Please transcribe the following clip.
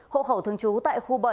hộ khẩu thường trú tại khu bảy